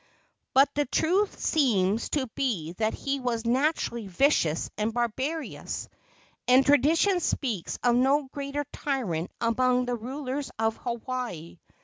But the truth seems to be that he was naturally vicious and barbarous, and tradition speaks of no greater tyrant among all the rulers of Hawaii.